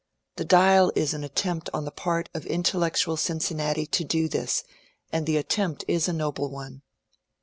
*^ The Dial " is an attempt on the part of inteUectual Cincinnati to do this, and the attempt is a noble one.